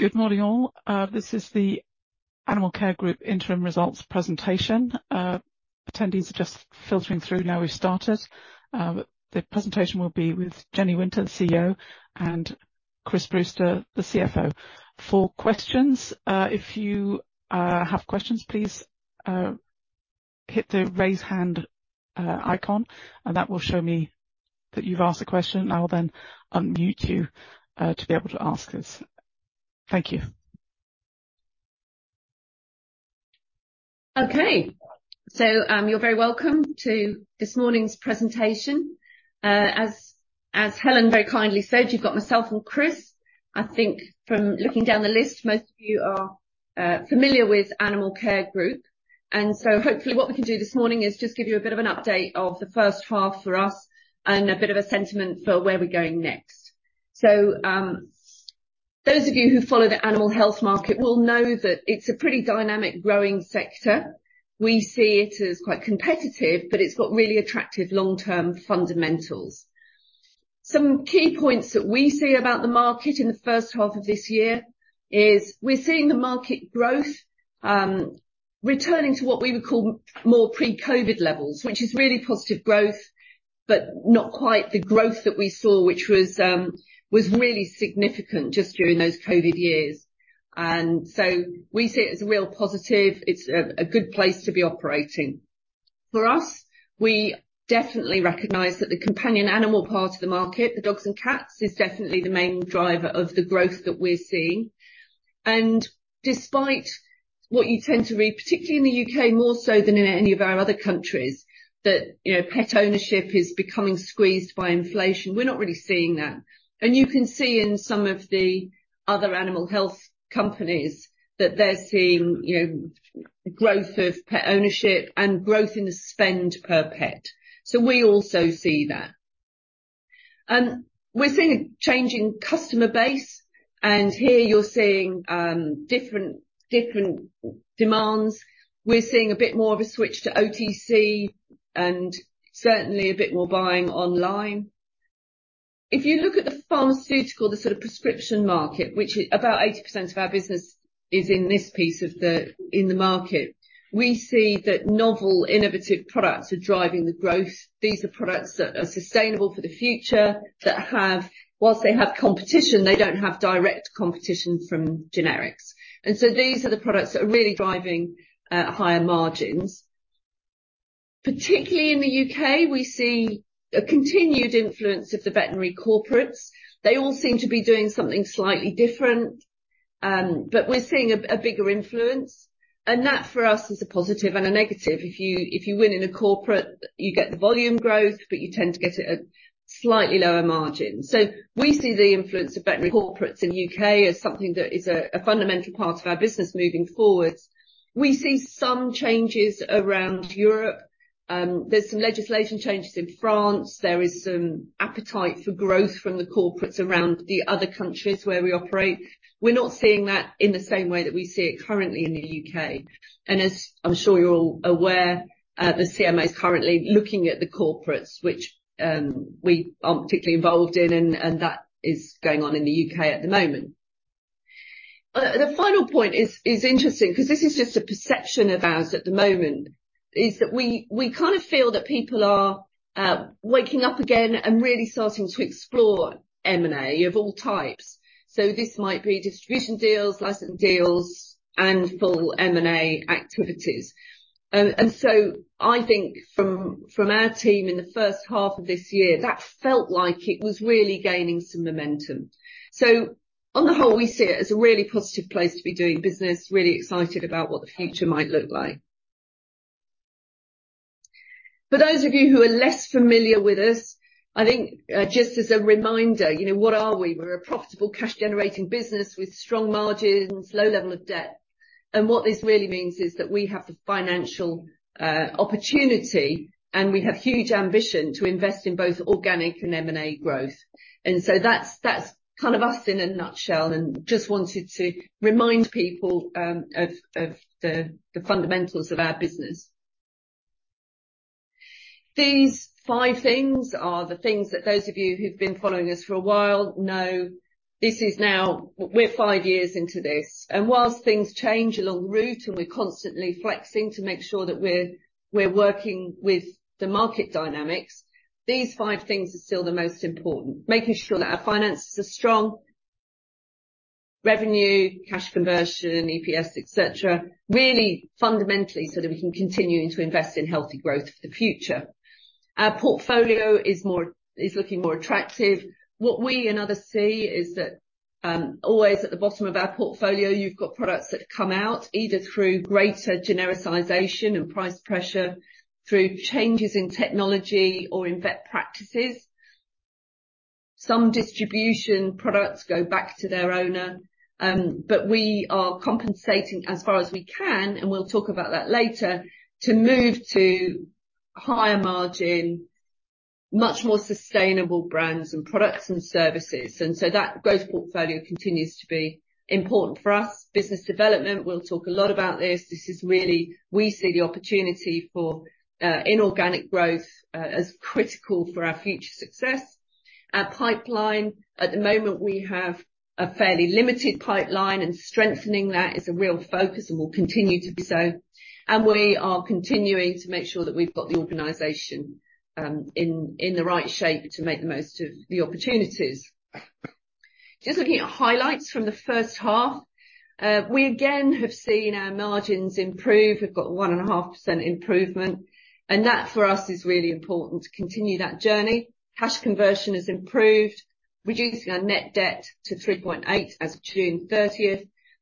Good morning, all. This is the Animalcare Group interim results presentation. Attendees are just filtering through now we've started. The presentation will be with Jenny Winter, the CEO, and Chris Brewster, the CFO. For questions, if you have questions, please hit the Raise Hand icon, and that will show me that you've asked a question. I will then unmute you to be able to ask us. Thank you. Okay. So, you're very welcome to this morning's presentation. As Helen very kindly said, you've got myself and Chris. I think from looking down the list, most of you are familiar with Animalcare Group, and so hopefully, what we can do this morning is just give you a bit of an update of the first half for us and a bit of a sentiment for where we're going next. So, those of you who follow the animal health market will know that it's a pretty dynamic, growing sector. We see it as quite competitive, but it's got really attractive long-term fundamentals. Some key points that we see about the market in the first half of this year is we're seeing the market growth returning to what we would call more pre-COVID levels, which is really positive growth, but not quite the growth that we saw, which was really significant just during those COVID years. And so we see it as a real positive. It's a good place to be operating. For us, we definitely recognize that the companion animal part of the market, the dogs and cats, is definitely the main driver of the growth that we're seeing. And despite what you tend to read, particularly in the U.K., more so than in any of our other countries, that, you know, pet ownership is becoming squeezed by inflation, we're not really seeing that. You can see in some of the other animal health companies that they're seeing, you know, growth of pet ownership and growth in the spend per pet, so we also see that. We're seeing a changing customer base, and here you're seeing different demands. We're seeing a bit more of a switch to OTC and certainly a bit more buying online. If you look at the pharmaceutical, the sort of prescription market, which is about 80% of our business is in this piece of the, in the market, we see that novel, innovative products are driving the growth. These are products that are sustainable for the future, that have, whilst they have competition, they don't have direct competition from generics. So these are the products that are really driving higher margins. Particularly in the U.K., we see a continued influence of the veterinary corporates. They all seem to be doing something slightly different, but we're seeing a bigger influence, and that, for us, is a positive and a negative. If you win in a corporate, you get the volume growth, but you tend to get a slightly lower margin. So we see the influence of veterinary corporates in the U.K. as something that is a fundamental part of our business moving forward. We see some changes around Europe. There's some legislation changes in France. There is some appetite for growth from the corporates around the other countries where we operate. We're not seeing that in the same way that we see it currently in the U.K. As I'm sure you're all aware, the CMA is currently looking at the corporates, which we aren't particularly involved in, and that is going on in the UK at the moment. The final point is interesting 'cause this is just a perception of ours at the moment, is that we kind of feel that people are waking up again and really starting to explore M&A of all types. So this might be distribution deals, licensing deals, and full M&A activities. And so I think from our team in the first half of this year, that felt like it was really gaining some momentum. So on the whole, we see it as a really positive place to be doing business, really excited about what the future might look like. For those of you who are less familiar with us, I think, just as a reminder, you know, what are we? We're a profitable cash-generating business with strong margins, low level of debt. And what this really means is that we have the financial opportunity, and we have huge ambition to invest in both organic and M&A growth. And so that's, that's kind of us in a nutshell, and just wanted to remind people, of the fundamentals of our business. These five things are the things that those of you who've been following us for a while know this is now... We're five years into this, and while things change along the route, and we're constantly flexing to make sure that we're working with the market dynamics, these five things are still the most important, making sure that our finances are strong, revenue, cash conversion, EPS, et cetera, really fundamentally, so that we can continue to invest in healthy growth for the future. Our portfolio is more is looking more attractive. What we and others see is that always at the bottom of our portfolio, you've got products that come out, either through greater genericization and price pressure, through changes in technology or in vet practices. Some distribution products go back to their owner, but we are compensating as far as we can, and we'll talk about that later, to move to higher margin, much more sustainable brands and products and services, and so that growth portfolio continues to be important for us. Business development, we'll talk a lot about this. This is really, we see the opportunity for, inorganic growth, as critical for our future success. Our pipeline, at the moment, we have a fairly limited pipeline, and strengthening that is a real focus and will continue to be so, and we are continuing to make sure that we've got the organization, in the right shape to make the most of the opportunities. Just looking at highlights from the first half, we again have seen our margins improve. We've got 1.5% improvement, and that, for us, is really important to continue that journey. Cash conversion has improved, reducing our net debt to 3.8 as of June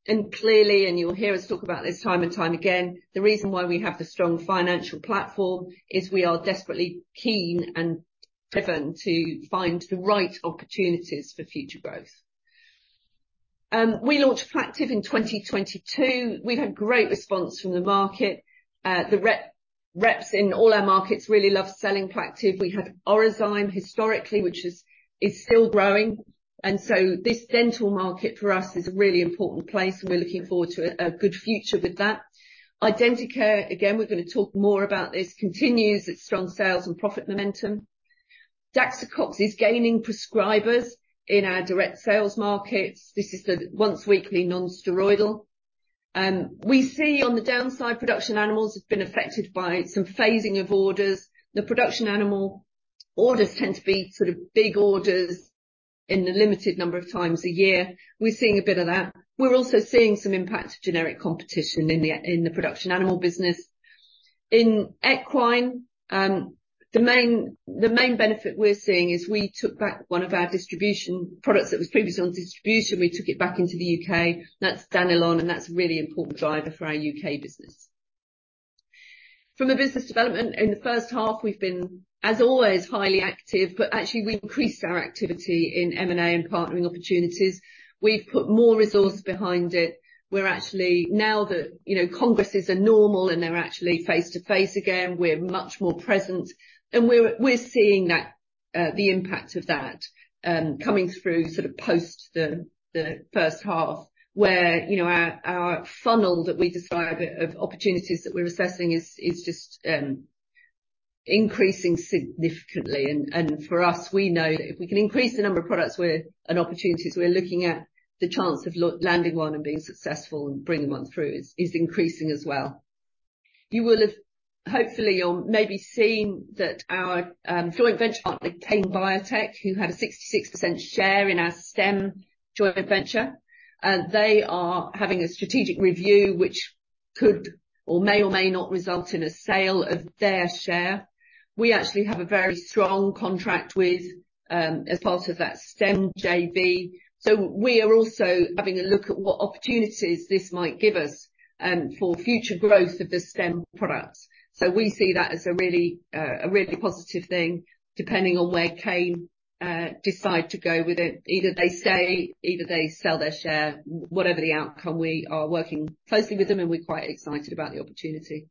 30. Clearly, and you'll hear us talk about this time and time again, the reason why we have the strong financial platform, is we are desperately keen and driven to find the right opportunities for future growth. We launched Plaqtiv in 2022. We've had great response from the market. The reps in all our markets really love selling Plaqtiv. We had Orozyme historically, which is still growing, and so this dental market, for us, is a really important place, and we're looking forward to a good future with that. Identicare, again, we're gonna talk more about this, continues its strong sales and profit momentum. Daxocox is gaining prescribers in our direct sales markets. This is the once-weekly non-steroidal. We see on the downside, production animals have been affected by some phasing of orders. The production animal orders tend to be sort of big orders in a limited number of times a year. We're seeing a bit of that. We're also seeing some impact of generic competition in the, in the production animal business. In equine, the main, the main benefit we're seeing is we took back one of our distribution products that was previously on distribution. We took it back into the UK. That's Danilon, and that's a really important driver for our UK business. From a business development in the first half, we've been, as always, highly active, but actually, we increased our activity in M&A and partnering opportunities. We've put more resource behind it. We're actually now that, you know, congresses are normal, and they're actually face-to-face again, we're much more present, and we're seeing that the impact of that coming through sort of post the first half, where, you know, our funnel that we describe of opportunities that we're assessing is just increasing significantly. And for us, we know that if we can increase the number of products we're and opportunities we're looking at, the chance of landing one and being successful and bringing one through is increasing as well. You will have, hopefully, or maybe seen that our joint venture partner, Kane Biotech, who had a 66% share in our STEM joint venture, they are having a strategic review which could or may or may not result in a sale of their share. We actually have a very strong contract with, as part of that STEM JV, so we are also having a look at what opportunities this might give us, for future growth of the STEM products. So we see that as a really, a really positive thing, depending on where Kane decide to go with it. Either they stay, either they sell their share. Whatever the outcome, we are working closely with them, and we're quite excited about the opportunity.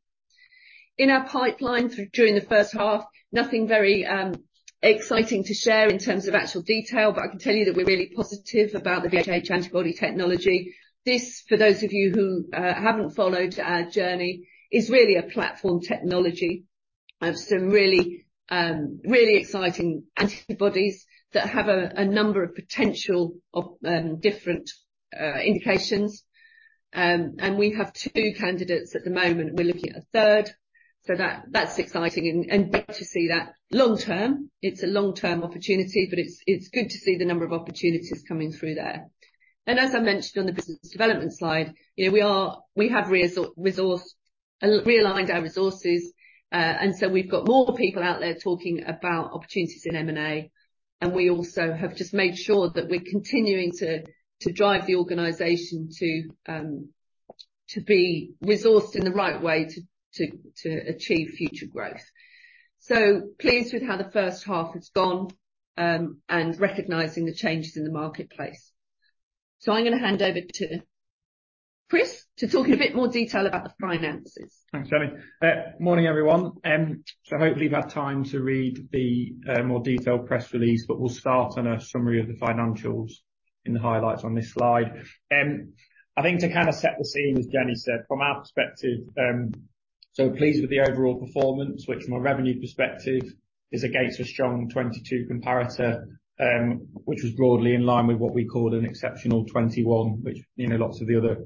In our pipeline during the first half, nothing very exciting to share in terms of actual detail, but I can tell you that we're really positive about the VHH antibody technology. This, for those of you who haven't followed our journey, is really a platform technology of some really exciting antibodies that have a number of potential different indications. We have two candidates at the moment, and we're looking at a third. So that's exciting and good to see that long term. It's a long-term opportunity, but it's good to see the number of opportunities coming through there. As I mentioned on the business development slide, you know, we have resourced realigned our resources, and so we've got more people out there talking about opportunities in M&A, and we also have just made sure that we're continuing to drive the organization to be resourced in the right way to achieve future growth. Pleased with how the first half has gone, and recognizing the changes in the marketplace. I'm gonna hand over to Chris to talk in a bit more detail about the finances. Thanks, Jenny. Morning, everyone. So hopefully you've had time to read the more detailed press release, but we'll start on a summary of the financials and the highlights on this slide. I think to kind of set the scene, as Jenny said, from our perspective, so pleased with the overall performance, which from a revenue perspective is against a strong 2022 comparator, which was broadly in line with what we called an exceptional 2021, which, you know, lots of the other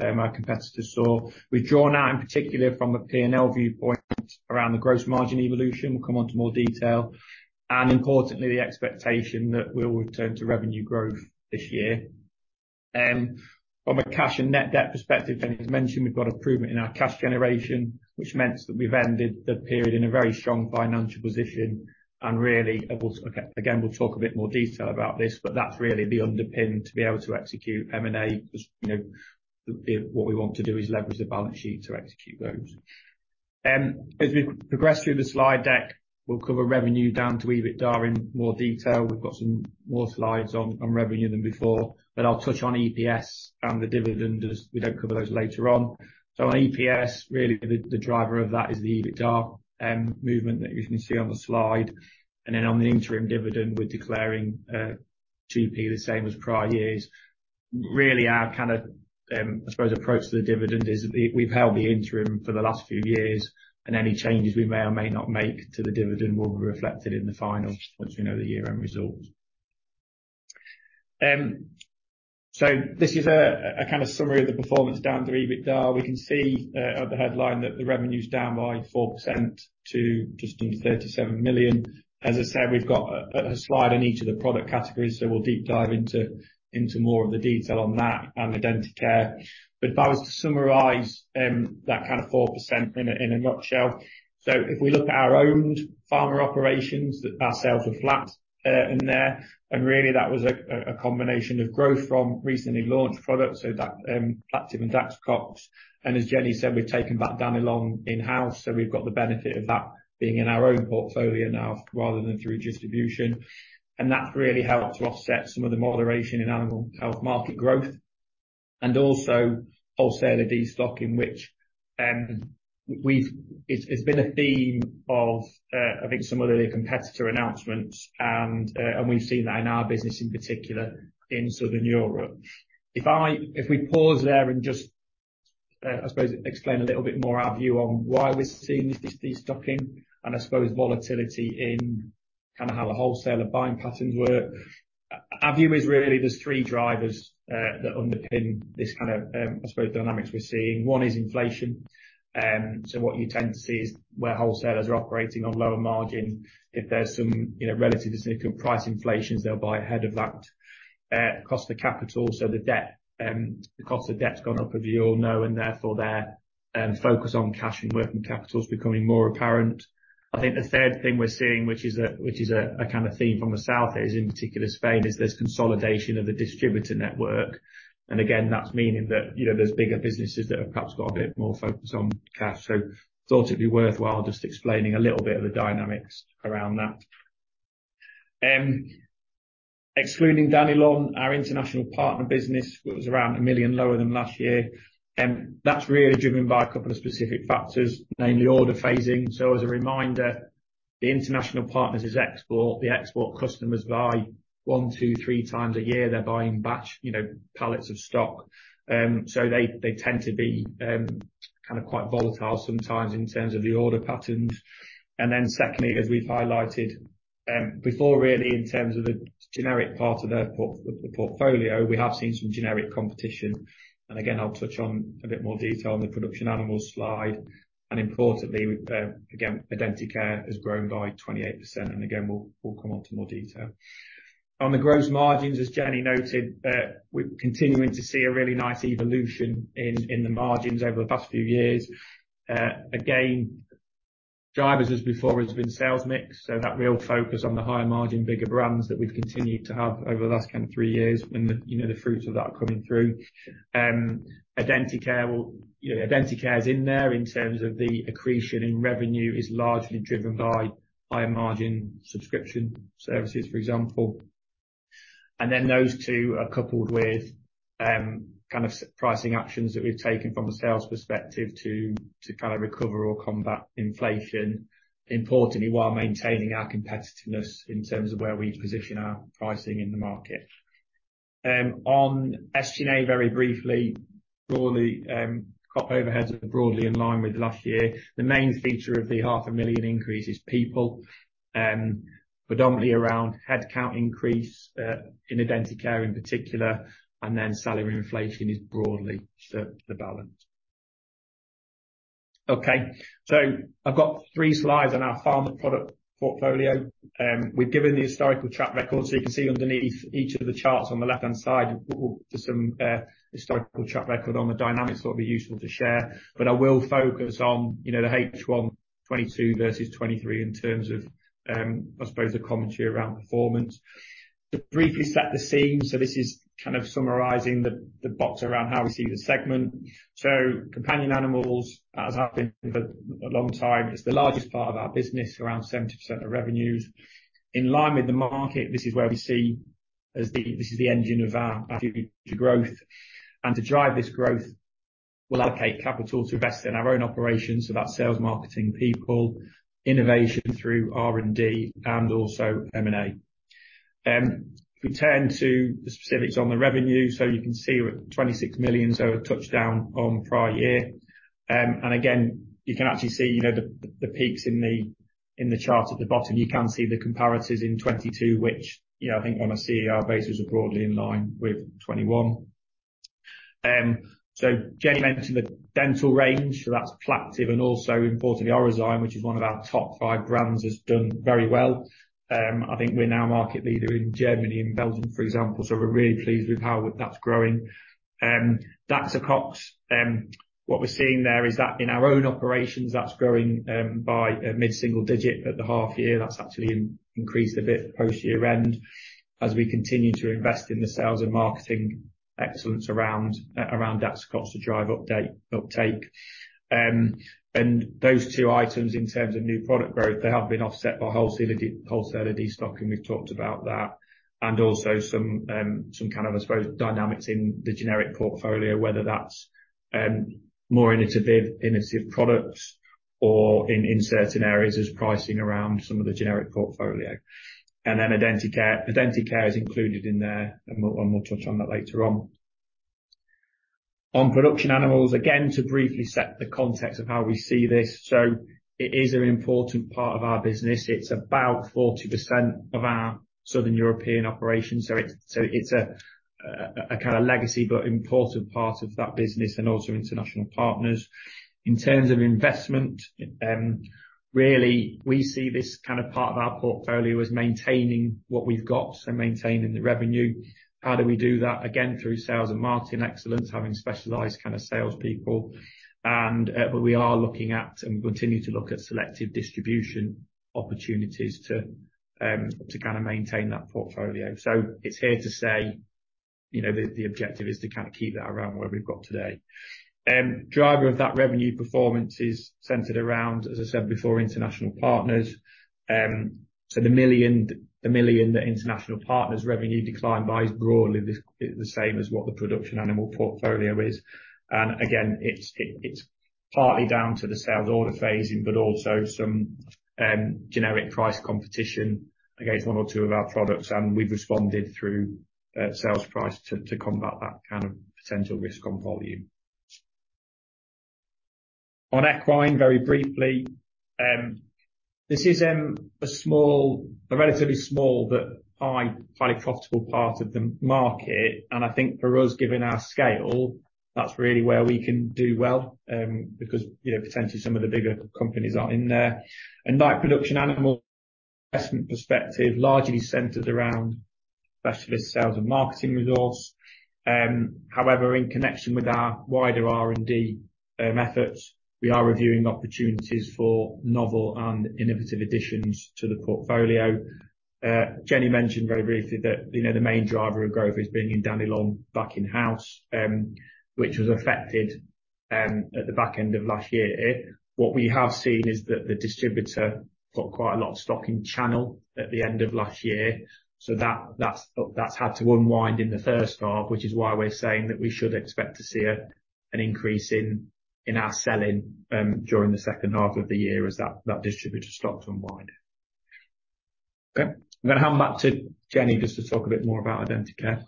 our competitors saw. We've drawn out, in particular, from a P&L viewpoint around the gross margin evolution. We'll come on to more detail, and importantly, the expectation that we'll return to revenue growth this year. From a cash and net debt perspective, Jenny's mentioned we've got improvement in our cash generation, which meant that we've ended the period in a very strong financial position, and really, we'll talk a bit more detail about this, but that's really the underpin to be able to execute M&A. Because, you know, the, what we want to do is leverage the balance sheet to execute those. As we progress through the slide deck, we'll cover revenue down to EBITDA in more detail. We've got some more slides on revenue than before, but I'll touch on EPS and the dividend as we don't cover those later on. So on EPS, really, the driver of that is the EBITDA movement that you can see on the slide. And then on the interim dividend, we're declaring GBP the same as prior years. Really our kind of, I suppose approach to the dividend is we, we've held the interim for the last few years, and any changes we may or may not make to the dividend will be reflected in the final, once we know the year-end results. So this is a kind of summary of the performance down to EBITDA. We can see, at the headline that the revenue's down by 4% to just under 37 million. As I said, we've got a slide on each of the product categories, so we'll deep dive into more of the detail on that and Identicare. But if I was to summarize that kind of 4% in a nutshell, so if we look at our owned pharma operations, our sales are flat in there, and really, that was a combination of growth from recently launched products, so that Plaqtiv and Daxocox, and as Jenny said, we've taken back Danilon in-house, so we've got the benefit of that being in our own portfolio now, rather than through distribution. And that's really helped to offset some of the moderation in animal health market growth, and also wholesaler destocking, which we've—it's been a theme of, I think some other competitor announcements, and we've seen that in our business, in particular in Southern Europe. If we pause there and just, I suppose explain a little bit more our view on why we're seeing this destocking, and I suppose volatility in kind of how the wholesaler buying patterns work. Our view is really there's three drivers that underpin this kind of, I suppose, dynamics we're seeing. One is inflation. So what you tend to see is where wholesalers are operating on lower margins, if there's some, you know, relatively significant price inflations, they'll buy ahead of that. Cost of capital, so the debt, the cost of debt's gone up, as you all know, and therefore their focus on cash and working capital is becoming more apparent. I think the third thing we're seeing, which is a kind of theme from the South, is in particular Spain, is this consolidation of the distributor network. And again, that's meaning that, you know, there's bigger businesses that have perhaps got a bit more focus on cash. So thought it'd be worthwhile just explaining a little bit of the dynamics around that. Excluding Danilon, our international partner business was around 1 million lower than last year. That's really driven by a couple of specific factors, namely order phasing. So as a reminder, the international partners is export. The export customers buy one to three times a year. They're buying batch, you know, pallets of stock. So they, they tend to be kind of quite volatile sometimes in terms of the order patterns. And then secondly, as we've highlighted, before really in terms of the generic part of the portfolio, we have seen some generic competition, and again, I'll touch on a bit more detail on the production animals slide. And importantly, with again, Identicare has grown by 28%, and again, we'll come onto more detail. On the gross margins, as Jenny noted, we're continuing to see a really nice evolution in the margins over the past few years. Again, drivers, as before, has been sales mix, so that real focus on the higher margin, bigger brands that we've continued to have over the last kind of three years, and you know, the fruits of that are coming through. You know, Identicare is in there in terms of the accretion in revenue is largely driven by higher margin subscription services, for example. And then those two are coupled with, kind of pricing actions that we've taken from a sales perspective to, to kind of recover or combat inflation, importantly, while maintaining our competitiveness in terms of where we position our pricing in the market. On SG&A, very briefly, broadly, Group overheads are broadly in line with last year. The main feature of the 500,000 increase is people, predominantly around headcount increase, in Identicare in particular, and then salary inflation is broadly the, the balance. Okay, so I've got three slides on our pharma product portfolio. We've given the historical track record, so you can see underneath each of the charts on the left-hand side, there's some historical track record on the dynamics that would be useful to share, but I will focus on, you know, the H1 2022 versus 2023 in terms of, I suppose, the commentary around performance. To briefly set the scene, so this is kind of summarizing the box around how we see the segment. Companion Animals, as I've been for a long time, is the largest part of our business, around 70% of revenues. In line with the market, this is where we see as the this is the engine of our future growth. To drive this growth, we'll allocate capital to invest in our own operations, so that's sales, marketing, people, innovation through R&D, and also M&A. If we turn to the specifics on the revenue, so you can see we're at 26 million, so a touch down on prior year. And again, you can actually see, you know, the, the, the peaks in the, in the chart at the bottom. You can see the comparatives in 2022, which, you know, I think on a CER basis, are broadly in line with 2021. So Jenny mentioned the dental range, so that's Plaqtiv and also, importantly, Orozyme, which is one of our top five brands, has done very well. I think we're now market leader in Germany and Belgium, for example, so we're really pleased with how that's growing. Daxocox, what we're seeing there is that in our own operations, that's growing by a mid-single digit at the half year. That's actually increased a bit post-year-end, as we continue to invest in the sales and marketing excellence around Daxocox to drive uptake. And those two items, in terms of new product growth, they have been offset by wholesaler destocking, we've talked about that, and also some kind of, I suppose, dynamics in the generic portfolio, whether that's more innovative products or in certain areas, there's pricing around some of the generic portfolio. And then Identicare, Identicare is included in there, and we'll touch on that later on. On production animals, again, to briefly set the context of how we see this, so it is an important part of our business. It's about 40% of our Southern European operations. So it's a kind of legacy, but important part of that business and also international partners. In terms of investment, really, we see this kind of part of our portfolio as maintaining what we've got, so maintaining the revenue. How do we do that? Again, through sales and marketing excellence, having specialized kind of salespeople. But we are looking at, and we continue to look at selective distribution opportunities to kind of maintain that portfolio. So it's here to stay, you know, the objective is to kind of keep that around where we've got today. Driver of that revenue performance is centered around, as I said before, international partners. So the 1 million that international partners' revenue declined by is broadly the same as what the production animal portfolio is. Again, it's partly down to the sales order phasing, but also some generic price competition against one or two of our products, and we've responded through sales price to combat that kind of potential risk on volume. On equine, very briefly, this is a relatively small, but highly profitable part of the market. I think for us, given our scale, that's really where we can do well, because, you know, potentially some of the bigger companies are in there. Like production animal, investment perspective largely centered around specialist sales and marketing resource. However, in connection with our wider R&D efforts, we are reviewing opportunities for novel and innovative additions to the portfolio. Jenny mentioned very briefly that, you know, the main driver of growth has been in Danilon back in house, which was affected at the back end of last year. What we have seen is that the distributor got quite a lot of stock in channel at the end of last year, so that's had to unwind in the first half, which is why we're saying that we should expect to see an increase in our selling during the second half of the year as that distributor stock to unwind. Okay. I'm gonna hand back to Jenny just to talk a bit more about Identicare.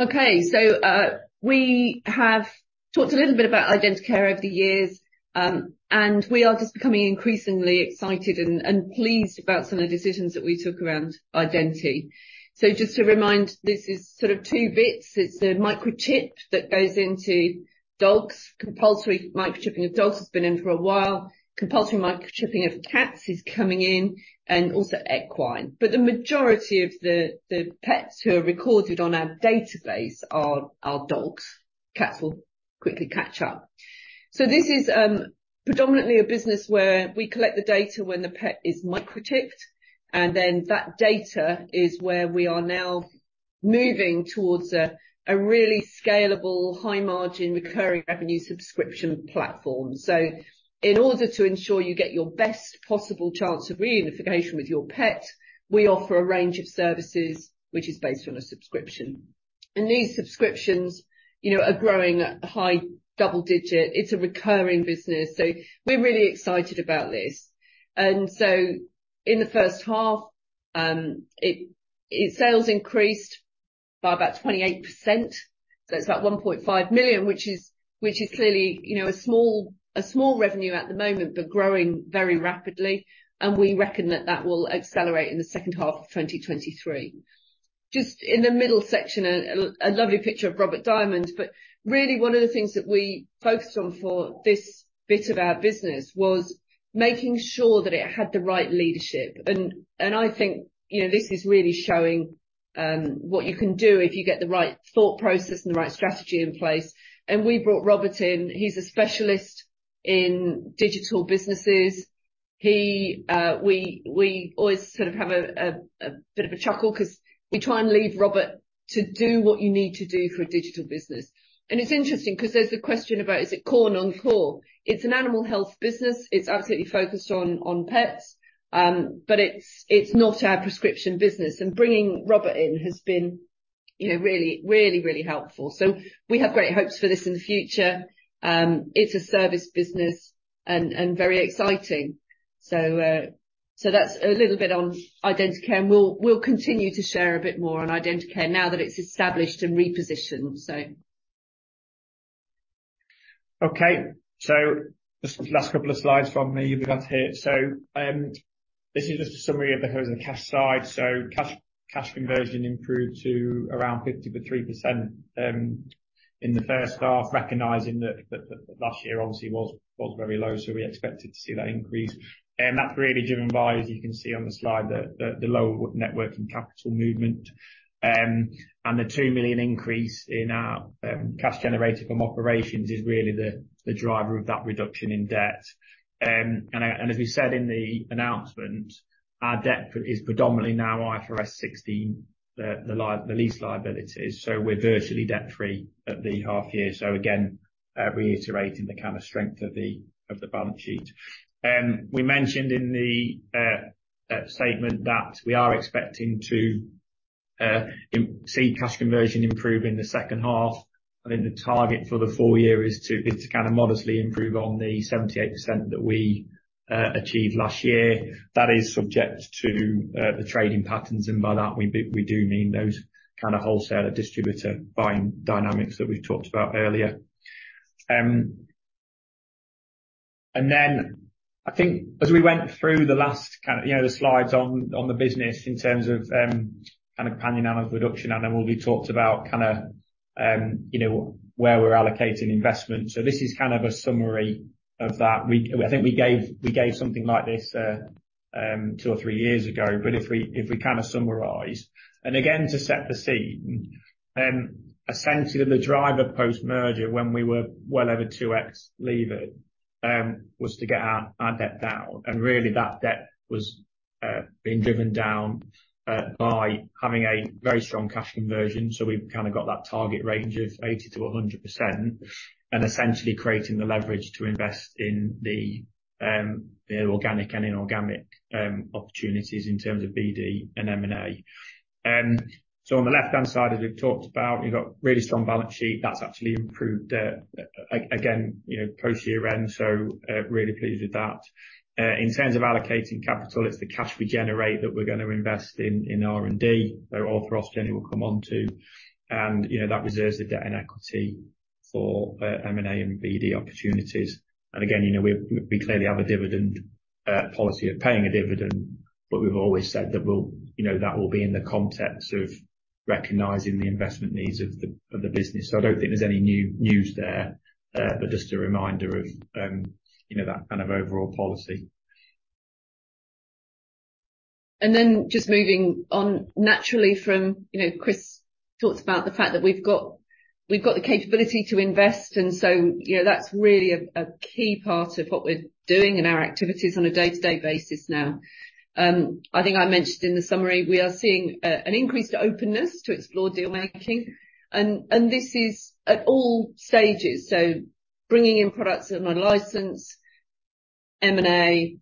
Okay. So, we have talked a little bit about Identicare over the years, and we are just becoming increasingly excited and pleased about some of the decisions that we took around Identicare. So just to remind, this is sort of two bits. It's a microchip that goes into dogs. Compulsory microchipping of dogs has been in for a while. Compulsory microchipping of cats is coming in, and also equine. But the majority of the pets who are recorded on our database are dogs. Cats will quickly catch up. So this is predominantly a business where we collect the data when the pet is microchipped, and then that data is where we are now moving towards a really scalable, high margin, recurring revenue subscription platform. So in order to ensure you get your best possible chance of reunification with your pet, we offer a range of services, which is based on a subscription. And these subscriptions, you know, are growing at high double digit. It's a recurring business, so we're really excited about this. And so in the first half, its sales increased by about 28%, so it's about 1.5 million, which is clearly, you know, a small revenue at the moment, but growing very rapidly, and we reckon that will accelerate in the second half of 2023. Just in the middle section, a lovely picture of Robert Diamond, but really, one of the things that we focused on for this bit of our business was making sure that it had the right leadership. I think, you know, this is really showing what you can do if you get the right thought process and the right strategy in place. And we brought Robert in. He's a specialist in digital businesses. He, we always sort of have a bit of a chuckle 'cause we try and leave Robert to do what you need to do for a digital business. And it's interesting because there's the question about, is it core, non-core? It's an animal health business. It's absolutely focused on pets, but it's not our prescription business, and bringing Robert in has been, you know, really, really, really helpful. So we have great hopes for this in the future. It's a service business and very exciting. So, that's a little bit on Identicare, and we'll continue to share a bit more on Identicare now that it's established and repositioned, so. Okay, so just last couple of slides from me that we got here. So, this is just a summary of the cash side. So cash, cash conversion improved to around 53% in the first half, recognizing that last year obviously was very low, so we expected to see that increase. And that's really driven by, as you can see on the slide, the lower net working capital movement. And the 2 million increase in our cash generated from operations is really the driver of that reduction in debt. And as we said in the announcement, our debt is predominantly now IFRS 16, the lease liabilities, so we're virtually debt-free at the half year. So again, reiterating the kind of strength of the balance sheet. We mentioned in the statement that we are expecting to see cash conversion improve in the second half. I think the target for the full year is to kind of modestly improve on the 78% that we achieved last year. That is subject to the trading patterns, and by that, we do, we do mean those kind of wholesaler, distributor buying dynamics that we've talked about earlier. Then I think as we went through the last kind, you know, the slides on the business in terms of kind of panning out of production, and then we'll be talked about kind of you know, where we're allocating investment. So this is kind of a summary of that. I think we gave, we gave something like this two or three years ago, but if we kind of summarize. And again, to set the scene, essentially, the driver post-merger, when we were well over 2x lever, was to get our debt down. And really, that debt was being driven down by having a very strong cash conversion. So we've kind of got that target range of 80%-100%, and essentially creating the leverage to invest in the organic and inorganic opportunities in terms of BD and M&A. So on the left-hand side, as we've talked about, we've got really strong balance sheet that's actually improved again, you know, post year-end, so really pleased with that. In terms of allocating capital, it's the cash we generate that we're gonna invest in R&D, where Orthros, Jenny will come on to, and, you know, that reserves the debt and equity for M&A and BD opportunities. And again, you know, we clearly have a dividend policy of paying a dividend, but we've always said that we'll, you know, that will be in the context of recognizing the investment needs of the business. So I don't think there's any new news there, but just a reminder of, you know, that kind of overall policy. Then just moving on naturally from, you know, Chris talked about the fact that we've got, we've got the capability to invest, and so, you know, that's really a, a key part of what we're doing in our activities on a day-to-day basis now. I think I mentioned in the summary, we are seeing an increased openness to explore deal-making, and, and this is at all stages. So bringing in products that are on license, M&A,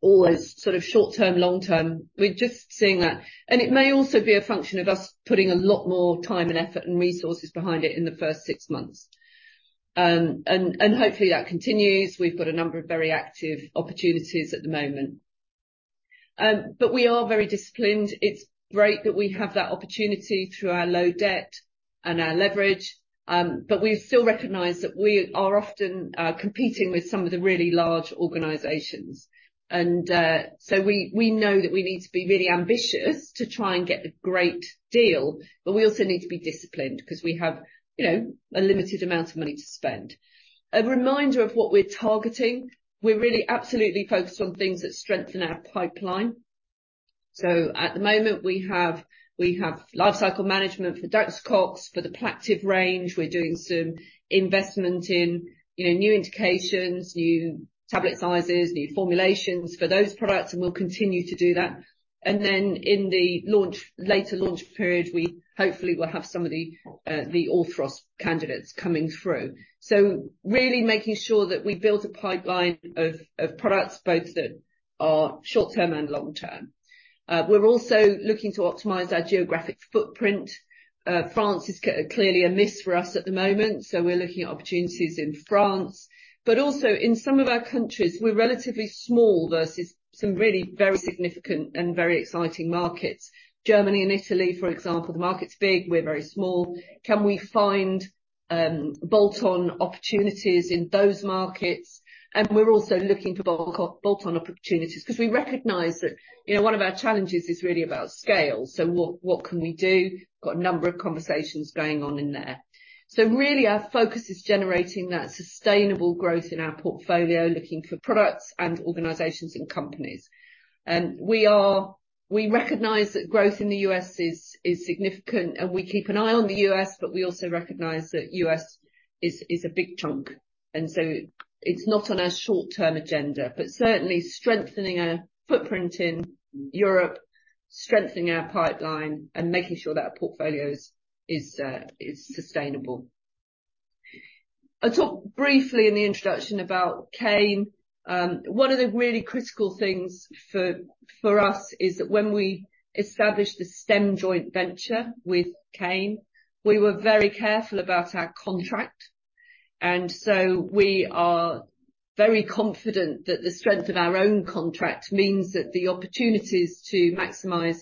or as sort of short-term, long-term, we're just seeing that. And it may also be a function of us putting a lot more time and effort and resources behind it in the first six months. And, and hopefully, that continues. We've got a number of very active opportunities at the moment. But we are very disciplined. It's great that we have that opportunity through our low debt and our leverage, but we still recognize that we are often competing with some of the really large organizations. And so we know that we need to be really ambitious to try and get a great deal, but we also need to be disciplined 'cause we have, you know, a limited amount of money to spend. A reminder of what we're targeting, we're really absolutely focused on things that strengthen our pipeline. So at the moment, we have, we have lifecycle management for dexamethasone, for the Plaqtiv range. We're doing some investment in, you know, new indications, new tablet sizes, new formulations for those products, and we'll continue to do that. And then in the launch, later launch period, we hopefully will have some of the the Orthros candidates coming through. So really making sure that we build a pipeline of products, both that are short-term and long-term. We're also looking to optimize our geographic footprint. France is clearly a miss for us at the moment, so we're looking at opportunities in France, but also in some of our countries, we're relatively small versus some really very significant and very exciting markets. Germany and Italy, for example, the market's big, we're very small. Can we find bolt-on opportunities in those markets? And we're also looking for bolt-on opportunities 'cause we recognize that, you know, one of our challenges is really about scale. So what can we do? Got a number of conversations going on in there. So really, our focus is generating that sustainable growth in our portfolio, looking for products and organizations and companies. We recognize that growth in the US is significant, and we keep an eye on the US, but we also recognize that US is a big chunk, and so it's not on our short-term agenda. But certainly strengthening our footprint in Europe, strengthening our pipeline, and making sure that our portfolio is sustainable. I talked briefly in the introduction about Kane. One of the really critical things for us is that when we established the STEM joint venture with Kane, we were very careful about our contract, and so we are very confident that the strength of our own contract means that the opportunities to maximize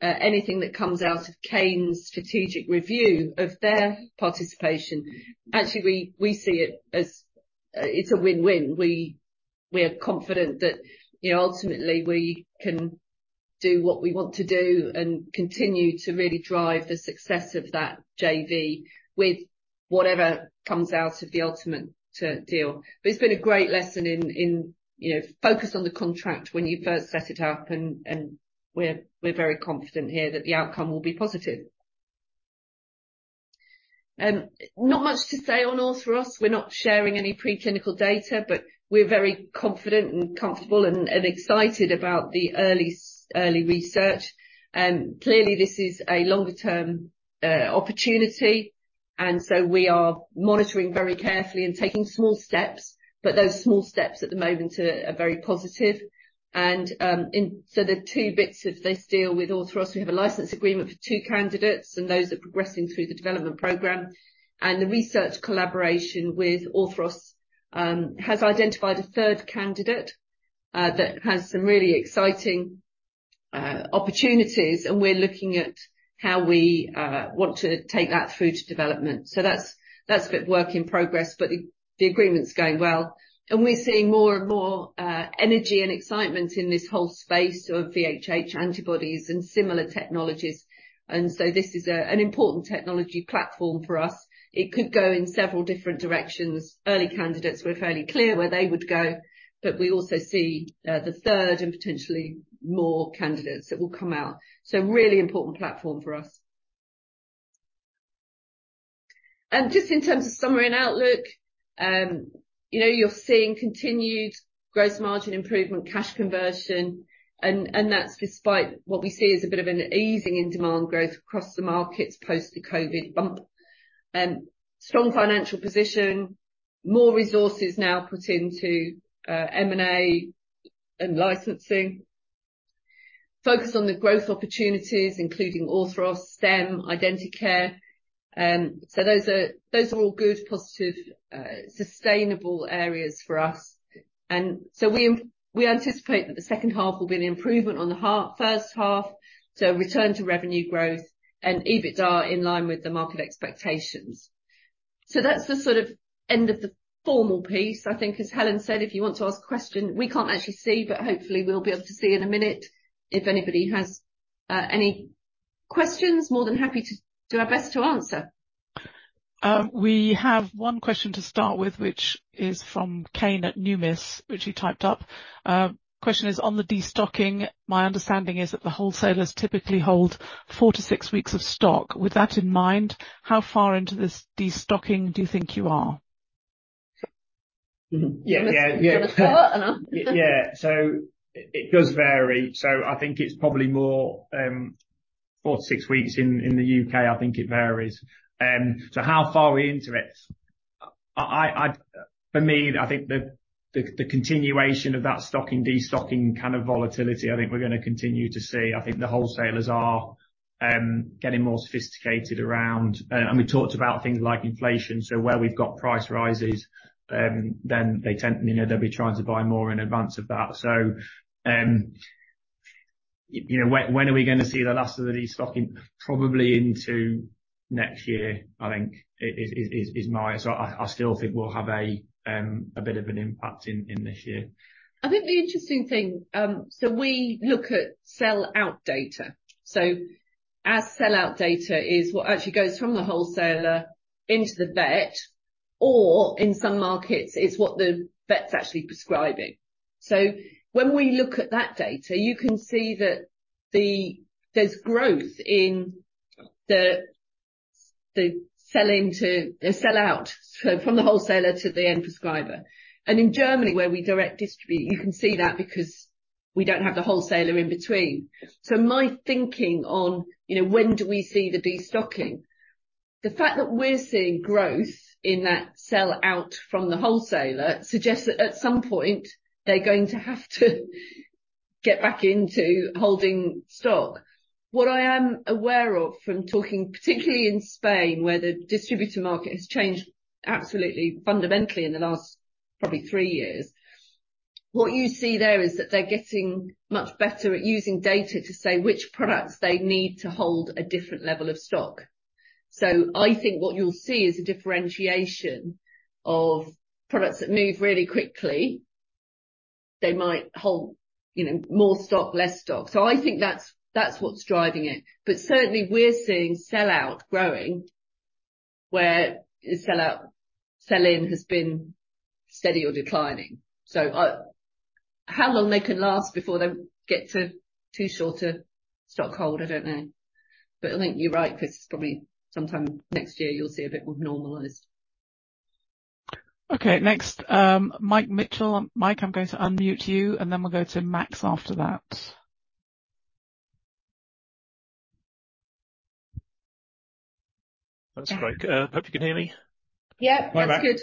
anything that comes out of Kane's strategic review of their participation. Actually, we see it as it's a win-win. We are confident that, you know, ultimately, we can do what we want to do and continue to really drive the success of that JV with whatever comes out of the ultimate deal. But it's been a great lesson in, you know, focus on the contract when you first set it up, and we're very confident here that the outcome will be positive. Not much to say on Orthros. We're not sharing any preclinical data, but we're very confident and comfortable and excited about the early research. Clearly, this is a longer-term opportunity, and so we are monitoring very carefully and taking small steps, but those small steps at the moment are very positive. So the two bits of this deal with Orthros, we have a license agreement for two candidates, and those are progressing through the development program. The research collaboration with Orthros has identified a third candidate that has some really exciting opportunities, and we're looking at how we want to take that through to development. So that's a bit work in progress, but the agreement's going well. We're seeing more and more energy and excitement in this whole space of VHH antibodies and similar technologies, and so this is an important technology platform for us. It could go in several different directions. Early candidates were fairly clear where they would go, but we also see the third and potentially more candidates that will come out. So really important platform for us. And just in terms of summary and outlook, you know, you're seeing continued gross margin improvement, cash conversion, and, and that's despite what we see as a bit of an easing in demand growth across the markets, post the COVID bump. Strong financial position, more resources now put into, M&A and licensing. Focus on the growth opportunities, including Orthros, STEM, Identicare. So those are, those are all good, positive, sustainable areas for us. And so we, we anticipate that the second half will be an improvement on the first half, so return to revenue growth and EBITDA in line with the market expectations. So that's the sort of end of the formal piece. I think, as Helen said, if you want to ask a question, we can't actually see, but hopefully we'll be able to see in a minute. If anybody has any questions, more than happy to do our best to answer. We have one question to start with, which is from Kane at Numis, which he typed up. Question is on the destocking. My understanding is that the wholesalers typically hold four to six weeks of stock. With that in mind, how far into this destocking do you think you are? Mm-hmm. Yeah, yeah, yeah. Do you want to start? I don't know. Yeah, so it does vary. So I think it's probably more four to six weeks in the UK. I think it varies. So how far are we into it? For me, I think the continuation of that stocking, destocking kind of volatility. I think we're gonna continue to see. I think the wholesalers are getting more sophisticated around, and we talked about things like inflation, so where we've got price rises, then they tend, you know, they'll be trying to buy more in advance of that. So you know, when are we gonna see the last of the destocking? Probably into next year, I think, is my... So I still think we'll have a bit of an impact in this year. I think the interesting thing, so we look at sell-out data. So our sell out data is what actually goes from the wholesaler into the vet, or in some markets, it's what the vet's actually prescribing. So when we look at that data, you can see that there's growth in the sell into sell out, so from the wholesaler to the end prescriber. And in Germany, where we direct distribute, you can see that because we don't have the wholesaler in between. So my thinking on, you know, when do we see the destocking? The fact that we're seeing growth in that sell out from the wholesaler suggests that at some point they're going to have to get back into holding stock. What I am aware of, from talking, particularly in Spain, where the distributor market has changed absolutely fundamentally in the last probably three years, what you see there is that they're getting much better at using data to say which products they need to hold a different level of stock. So I think what you'll see is a differentiation of products that move really quickly. They might hold, you know, more stock, less stock. So I think that's, that's what's driving it. But certainly, we're seeing sell out growing, where the sell out, sell in has been steady or declining. So I... How long they can last before they get to too short to stock hold, I don't know. But I think you're right, Chris, probably sometime next year you'll see a bit more normalized. Okay, next, Mike Mitchell. Mike, I'm going to unmute you, and then we'll go to Max after that. That's great. Hope you can hear me? Yep, that's good.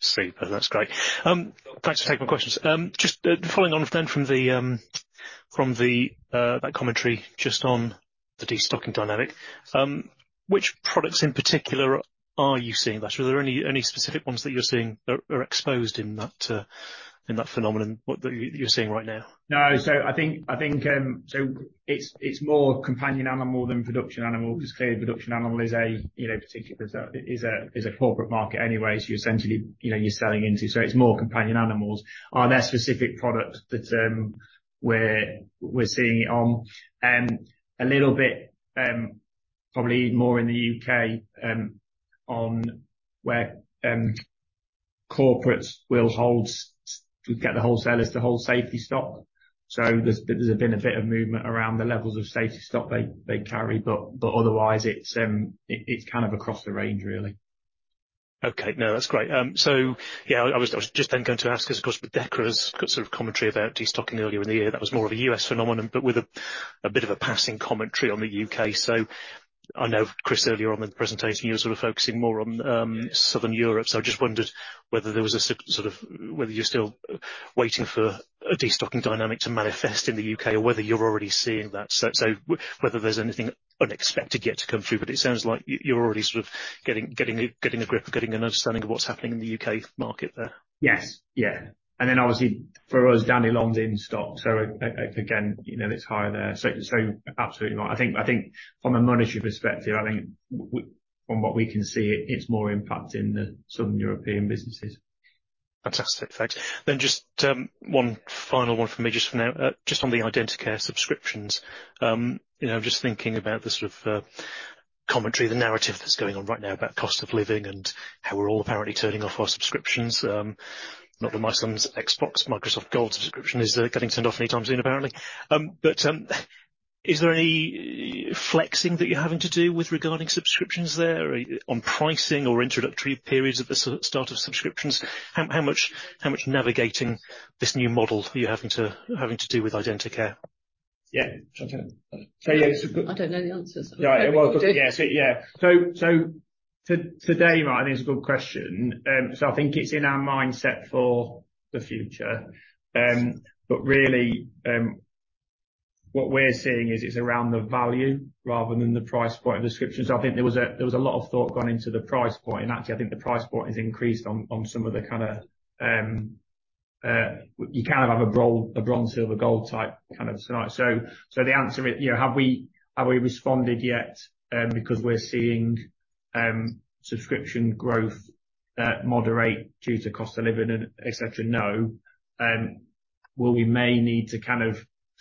Super, that's great. Thanks for taking my questions. Just following on then from the commentary, just on the destocking dynamic, which products in particular are you seeing that? Are there any specific ones that you're seeing that are exposed in that phenomenon that you're seeing right now? No, so I think so it's more companion animal than production animal, because clearly production animal is a, you know, particularly corporate market anyway, so you essentially, you know, you're selling into. So it's more companion animals. Are there specific products that we're seeing it on? A little bit, probably more in the U.K., where corporates will get the wholesalers to hold safety stock. So there's been a bit of movement around the levels of safety stock they carry, but otherwise, it's kind of across the range, really. Okay. No, that's great. So yeah, I was just then going to ask, because of course, Dechra's got sort of commentary about destocking earlier in the year. That was more of a U.S. phenomenon, but with a bit of a passing commentary on the U.K. So I know, Chris, earlier on in the presentation, you were sort of focusing more on Southern Europe. So I just wondered whether there was a sort of whether you're still waiting for a destocking dynamic to manifest in the U.K. or whether you're already seeing that. So whether there's anything unexpected yet to come through, but it sounds like you're already sort of getting, getting a, getting a grip or getting an understanding of what's happening in the U.K. market there. Yes. Yeah. And then obviously, for us, down in London, in stock, so again, you know, it's higher there. So absolutely right. I think from a monetary perspective, I think from what we can see, it's more impact in the Southern European businesses. Fantastic. Thanks. Then just, one final one for me, just for now. Just on the Identicare subscriptions. You know, just thinking about the sort of, commentary, the narrative that's going on right now about cost of living and how we're all apparently turning off our subscriptions. Not that my son's Xbox Microsoft Gold subscription is getting turned off anytime soon, apparently. But, is there any flexing that you're having to do with regarding subscriptions there, or on pricing or introductory periods at the start of subscriptions? How much navigating this new model are you having to do with Identicare? Yeah. Do you want to...? I don't know the answers. Right. Well, yeah. So, yeah. So today, Mike, I think it's a good question. So I think it's in our mindset for the future. But really, what we're seeing is it's around the value rather than the price point of the subscription. So I think there was a lot of thought gone into the price point, and actually, I think the price point has increased on some of the kind of, you kind of have a bronze, silver, gold type kind of scenario. So the answer is, you know, have we responded yet, because we're seeing subscription growth moderate due to cost of living and et cetera? No. Well, we may need to kind of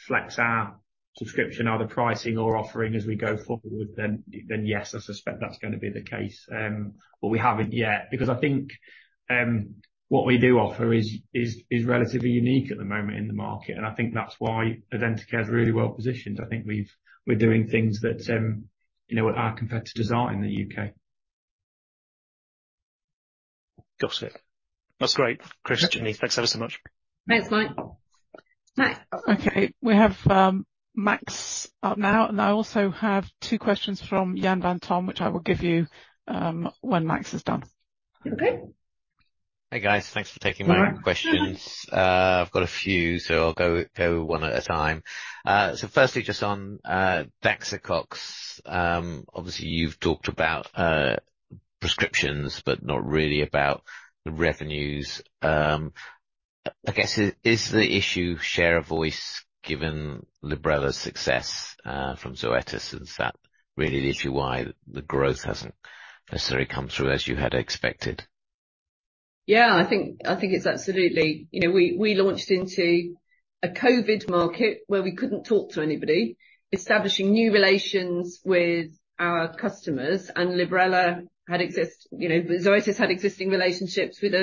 flex our subscription, either pricing or offering, as we go forward, then, yes, I suspect that's gonna be the case. But we haven't yet, because I think what we do offer is relatively unique at the moment in the market, and I think that's why Identicare is really well positioned. I think we're doing things that, you know, our competitors are in the U.K. Got it. That's great. Chris, Jenny, thanks ever so much. Thanks, Mike. Bye. Okay, we have Max up now, and I also have two questions from Yan and Tom, which I will give you when Max is done. Okay. Hi, guys. Thanks for taking my questions. Hi. I've got a few, so I'll go one at a time. So firstly, just on Daxocox. Obviously, you've talked about prescriptions, but not really about the revenues. I guess, is the issue share of voice given Librela's success from Zoetis? Is that really the issue why the growth hasn't necessarily come through as you had expected? Yeah, I think it's absolutely... You know, we launched into a COVID market where we couldn't talk to anybody, establishing new relations with our customers, and Librela had existed, you know, Zoetis had existing relationships with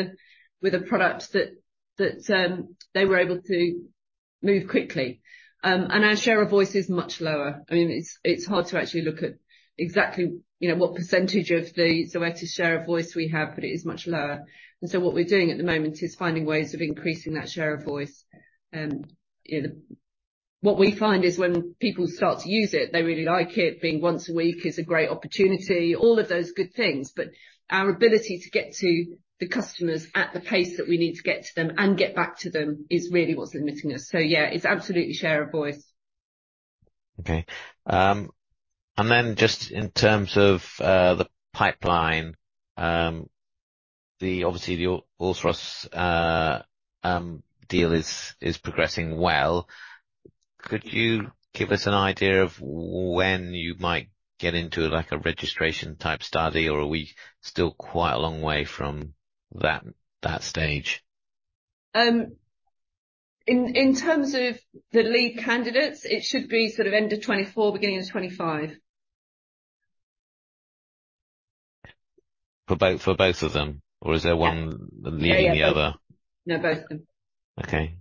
a product that they were able to move quickly. And our share of voice is much lower. I mean, it's hard to actually look at exactly, you know, what percentage of the Zoetis share of voice we have, but it is much lower. And so what we're doing at the moment is finding ways of increasing that share of voice. You know, what we find is when people start to use it, they really like it. Being once a week is a great opportunity, all of those good things. But our ability to get to the customers at the pace that we need to get to them and get back to them is really what's limiting us. So yeah, it's absolutely share a voice. Okay. And then just in terms of the pipeline, obviously the Orthros deal is progressing well. Could you give us an idea of when you might get into, like, a registration-type study, or are we still quite a long way from that stage? In terms of the lead candidates, it should be sort of end of 2024, beginning of 2025. For both, for both of them? Yeah. Or is there one leading the other? No, both of them. Okay.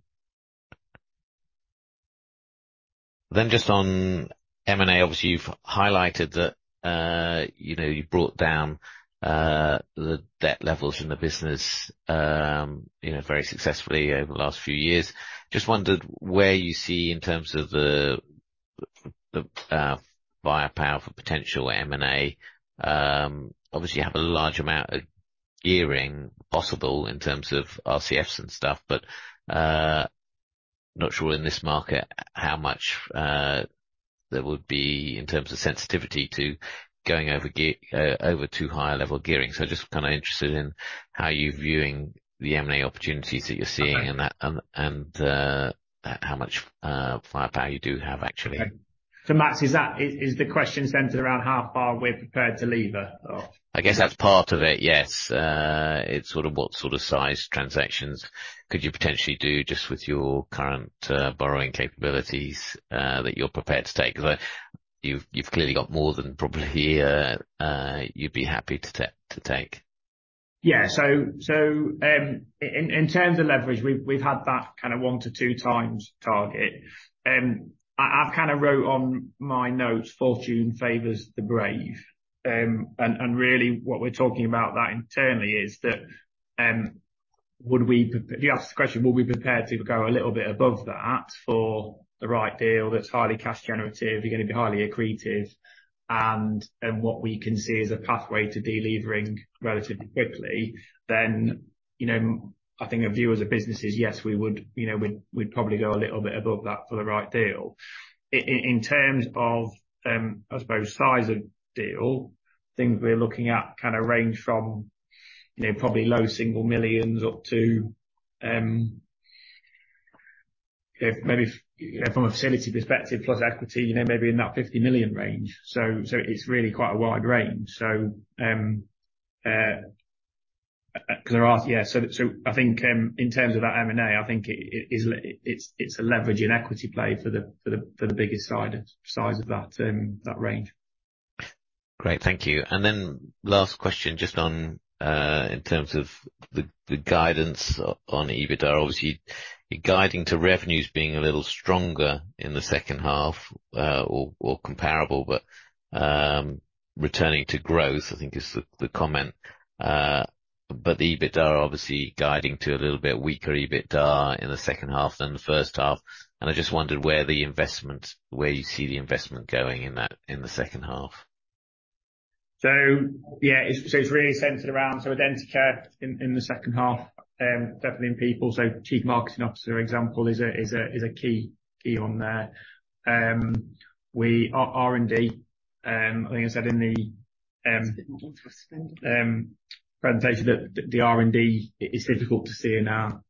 Then just on M&A. Obviously, you've highlighted that, you know, you brought down the debt levels in the business, you know, very successfully over the last few years. Just wondered where you see, in terms of the buyer power for potential M&A. Obviously, you have a large amount of gearing possible in terms of RCFs and stuff, but not sure in this market, how much there would be in terms of sensitivity to going over gear over to higher level gearing. So just kind of interested in how you're viewing the M&A opportunities that you're seeing. Okay. And that, and how much firepower you do have, actually? Okay. So, Max, is that the question centered around how far we're prepared to lever up? I guess that's part of it, yes. It's sort of what sort of size transactions could you potentially do just with your current borrowing capabilities that you're prepared to take? But you've clearly got more than probably you'd be happy to take. Yeah. So in terms of leverage, we've had that kind of 1-2 times target. I've kind of wrote on my notes, "Fortune favors the brave." And really, what we're talking about that internally is that, would we... If you ask the question, would we be prepared to go a little bit above that for the right deal that's highly cash generative, is gonna be highly accretive, and what we can see as a pathway to delevering relatively quickly, then, you know, I think our view as a business is, yes, we would. You know, we'd probably go a little bit above that for the right deal. In terms of, I suppose, size of deal, I think we're looking at kind of range from, you know, probably GBP low single millions up to... If maybe, from a facility perspective, plus equity, you know, maybe in that 50 million range. So, it's really quite a wide range. So, clear off, yeah. So, I think, in terms of that M&A, I think it is it's a leverage and equity play for the biggest size of that range. Great, thank you. And then last question, just on, in terms of the guidance on EBITDA. Obviously, you're guiding to revenues being a little stronger in the second half, or comparable, but returning to growth, I think is the comment. But the EBITDA, obviously guiding to a little bit weaker EBITDA in the second half than the first half, and I just wondered where the investment, where you see the investment going in that, in the second half? So yeah, it's really centered around Identicare in the second half, definitely in people. So Chief Marketing Officer, for example, is a key one there. R&D, like I said, in the presentation, that the R&D is difficult to see in our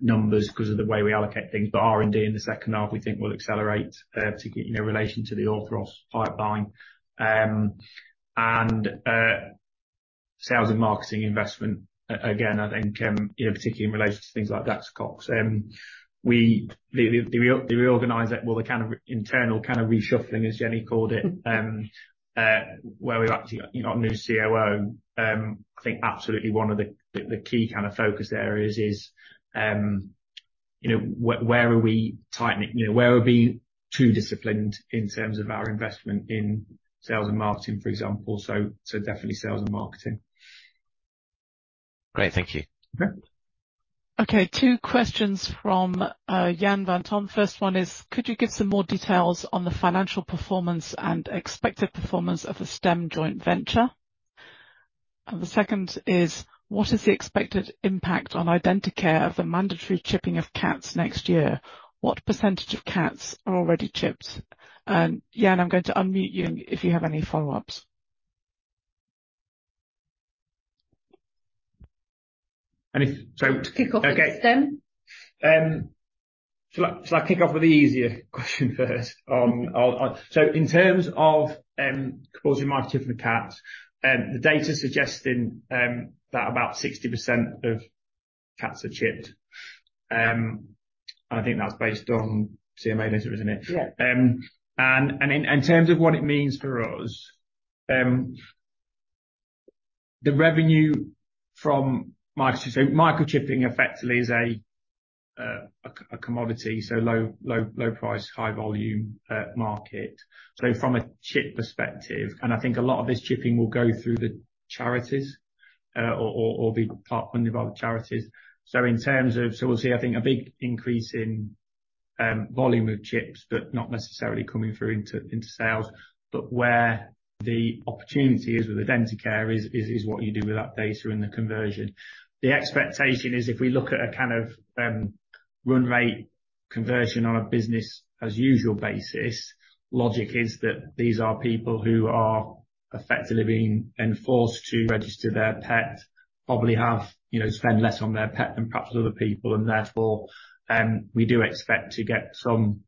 numbers because of the way we allocate things. But R&D in the second half, we think will accelerate to get in relation to the Orthros pipeline. And sales and marketing investment, again, I think, you know, particularly in relation to things like Daxocox. We, the reorganization - well, the kind of internal kind of reshuffling, as Jenny called it, where we're up to, you know, a new COO. I think absolutely one of the key kind of focus areas is, you know, where are we tightening? You know, where are we too disciplined in terms of our investment in sales and marketing, for example? So definitely sales and marketing. Great, thank you. Yeah. Okay, two questions from Jan Vantomme. First one is, could you give some more details on the financial performance and expected performance of the STEM joint venture? And the second is, what is the expected impact on Identicare of the mandatory chipping of cats next year? What percentage of cats are already chipped? And Jan, I'm going to unmute you if you have any follow-ups. And if so- Kick off with STEM. Shall I, shall I kick off with the easier question first? I'll so in terms of compulsory microchipping for cats, the data suggesting that about 60% of cats are chipped. I think that's based on CMA data, isn't it? Yeah. And in terms of what it means for us, the revenue from microchipping. So microchipping effectively is a commodity, so low price, high volume market. So from a chip perspective, and I think a lot of this chipping will go through the charities, or be part funded by the charities. So in terms of. So we'll see, I think, a big increase in volume of chips, but not necessarily coming through into sales. But where the opportunity is with Identicare is what you do with that data and the conversion. The expectation is, if we look at a kind of run rate conversion on a business as usual basis, logic is that these are people who are effectively being enforced to register their pet, probably have, you know, spend less on their pet than perhaps other people. And therefore, we do expect to get some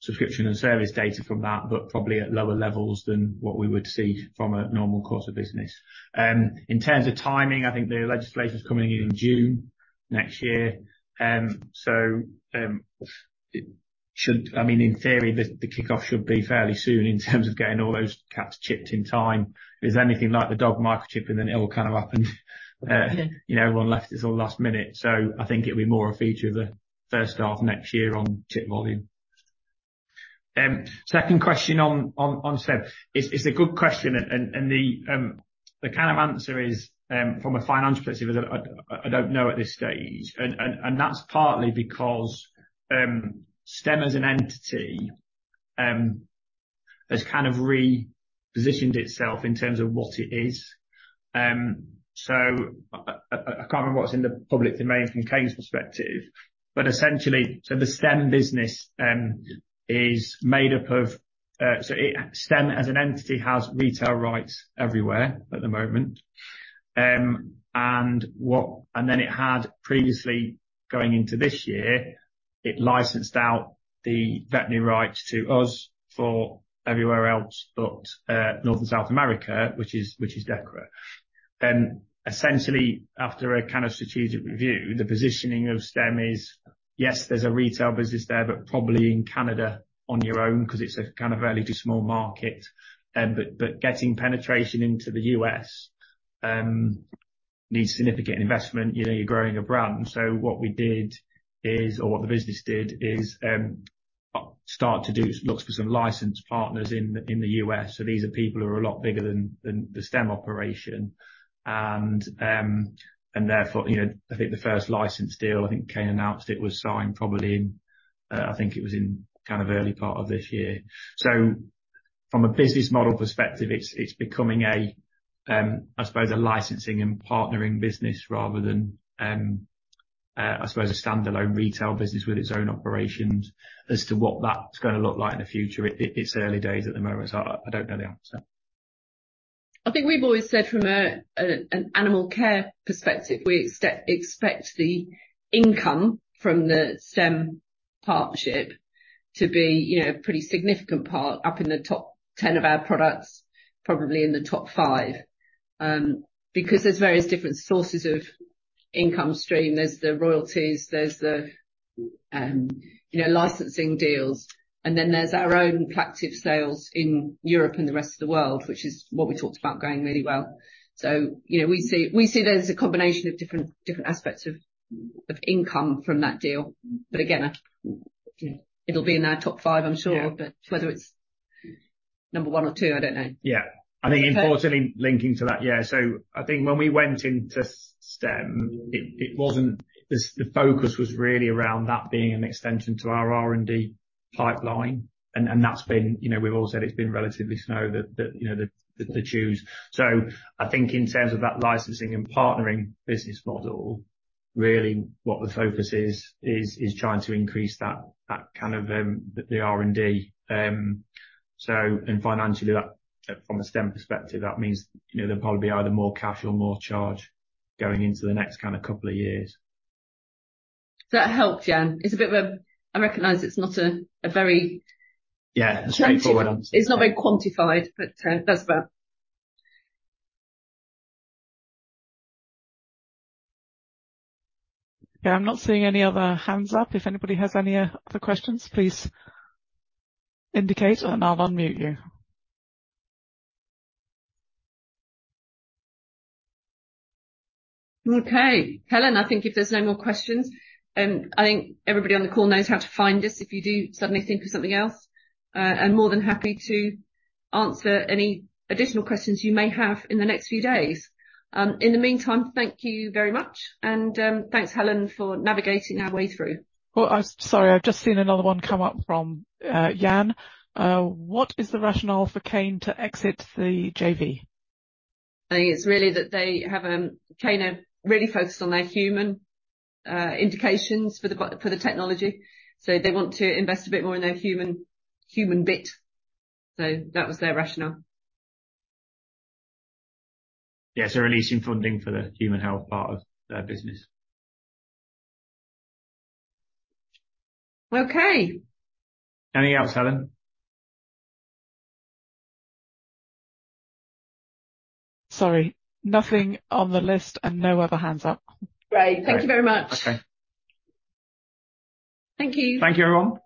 subscription and service data from that, but probably at lower levels than what we would see from a normal course of business. In terms of timing, I think the legislation is coming in June next year. So, it should—I mean, in theory, the kickoff should be fairly soon in terms of getting all those cats chipped in time. If it's anything like the dog microchipping, then it all kind of happened. Mm-hmm. You know, everyone left it to the last minute. So I think it'll be more a feature of the first half next year on chip volume. Second question on STEM. It's a good question, and the kind of answer is, from a financial perspective, I don't know at this stage, and that's partly because STEM as an entity has kind of repositioned itself in terms of what it is. So I can't remember what's in the public domain from Kane's perspective, but essentially, so the STEM business is made up of... So STEM, as an entity, has retail rights everywhere at the moment. And then it had previously, going into this year, it licensed out the veterinary rights to us for everywhere else, but North and South America, which is, which is Dechra. Essentially, after a kind of strategic review, the positioning of STEM is, yes, there's a retail business there, but probably in Canada on your own, 'cause it's a kind of relatively small market. But getting penetration into the US needs significant investment. You know, you're growing a brand. So what we did is, or what the business did is, start to look for some license partners in the US. So these are people who are a lot bigger than the STEM operation. And therefore, you know, I think the first license deal, I think Kane announced it was signed, probably in, I think it was in kind of early part of this year. So from a business model perspective, it's, it's becoming a, I suppose, a licensing and partnering business, rather than, I suppose, a standalone retail business with its own operations. As to what that's gonna look like in the future, it's early days at the moment, so I, I don't know the answer. I think we've always said from an Animalcare perspective, we expect the income from the STEM partnership to be, you know, a pretty significant part, up in the top 10 of our products, probably in the top five. Because there's various different sources of income stream. There's the royalties, there's the, you know, licensing deals, and then there's our own Plaqtiv sales in Europe and the rest of the world, which is what we talked about going really well. So, you know, we see there's a combination of different aspects of income from that deal. But again, it'll be in our top five, I'm sure. Yeah. Whether it's number one or two, I don't know. Yeah. But- I think importantly, linking to that, yeah, so I think when we went into STEM, the focus was really around that being an extension to our R&D pipeline, and that's been, you know, we've all said it's been relatively slow, the twos. So I think in terms of that licensing and partnering business model, really what the focus is is trying to increase that kind of the R&D. So and financially, that from a STEM perspective, that means, you know, there'll probably be either more cash or more charge going into the next kind of couple of years. Does that help, Jan? It's a bit of a... I recognize it's not a very- Yeah, a straightforward answer. It's not very quantified, but, that's about. Yeah, I'm not seeing any other hands up. If anybody has any other questions, please indicate, and I'll unmute you. Okay. Helen, I think if there's no more questions, I think everybody on the call knows how to find us. If you do suddenly think of something else, I'm more than happy to answer any additional questions you may have in the next few days. In the meantime, thank you very much, and, thanks, Helen, for navigating our way through. Oh, I'm sorry, I've just seen another one come up from, Jan. "What is the rationale for Kane to exit the JV? I think it's really that they have, Kane are really focused on their human indications for the technology. So they want to invest a bit more in their human, human bit. So that was their rationale. Yes, they're releasing funding for the human health part of their business. Okay. Anything else, Helen? Sorry, nothing on the list and no other hands up. Great. Great. Thank you very much. Okay. Thank you. Thank you, everyone.